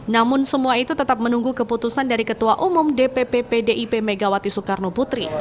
namun semua itu tetap menunggu keputusan dari ketua umum dpp pdip megawati soekarno putri